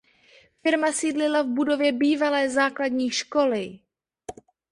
Firma sídlila v budově bývalé základní školy.